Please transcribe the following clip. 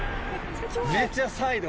めちゃサイド。